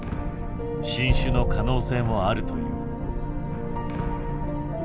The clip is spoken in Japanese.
新種の可能性もあるという。